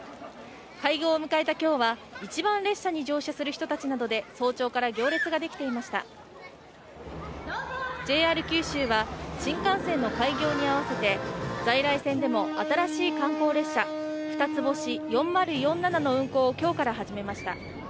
開業を迎えた今日は一番列車に乗車する人たちなどで早朝から行列ができていましたＪＲ九州は新幹線の開業に合わせて在来線でも新しい観光列車ふたつ星４０４７の運行をきょうから始めました